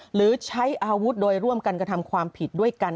หรือใช้อาวุธโดยร่วมกันกระทำความผิดด้วยกัน